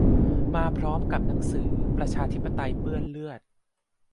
มาพร้อมกับหนังสือ "ประชาธิปไตยเปื้อนเลือด"